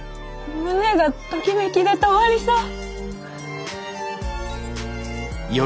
胸がときめきで止まりそう！